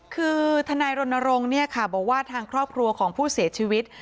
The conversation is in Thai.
คือทนายรณรงค์บอกว่าทางครอบครัวของผู้เสียชีวิต